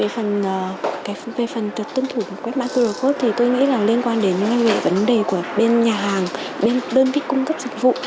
về phần tân thủ quét mã qr code thì tôi nghĩ là liên quan đến vấn đề của bên nhà hàng bên đơn vị cung cấp dịch vụ